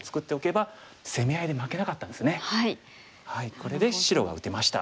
これで白が打てました。